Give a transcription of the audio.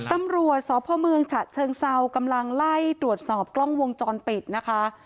ตำรวจสพเมืองฉะเชิงเซากำลังไล่ตรวจสอบกล้องวงจรปิดนะคะ